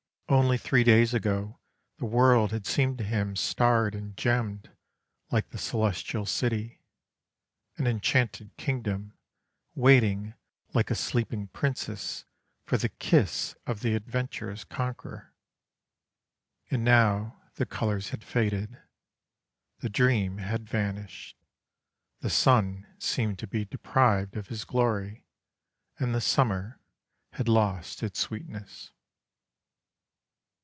Only three days ago the world had seemed to him starred and gemmed like the Celestial City an enchanted kingdom, waiting like a sleeping Princess for the kiss of the adventurous conqueror; and now the colours had faded, the dream had vanished, the sun seemed to be deprived of his glory, and the summer had lost its sweetness.